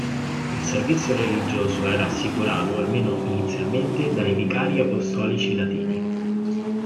Il servizio religioso era assicurato, almeno inizialmente, dai vicari apostolici latini.